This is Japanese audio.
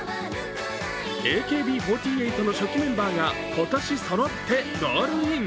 ＡＫＢ４８の初期メンバーが今年、そろってゴールイン。